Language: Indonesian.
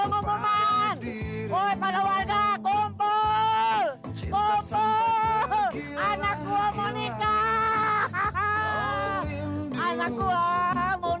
mau nikah secepetnya pengumuman